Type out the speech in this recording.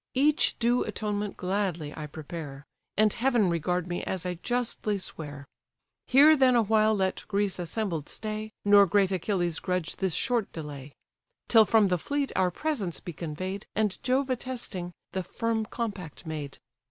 Each due atonement gladly I prepare; And heaven regard me as I justly swear! Here then awhile let Greece assembled stay, Nor great Achilles grudge this short delay. Till from the fleet our presents be convey'd, And Jove attesting, the firm compact made.